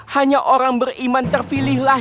hanya orang beriman terpilihlah